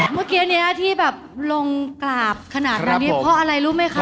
เมื่อกี้นี้ที่แบบลงกราบขนาดนั้นเนี่ยเพราะอะไรรู้ไหมคะ